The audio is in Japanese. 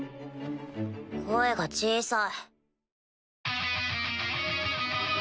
声が小さい。